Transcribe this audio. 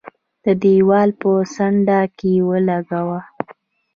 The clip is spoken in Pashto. د دېوال په څنډه کې ولګاوه.